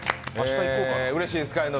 うれしいですか？